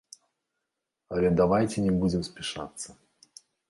Але давайце не будзем спяшацца.